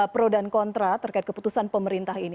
pro dan kontra terkait keputusan pemerintah ini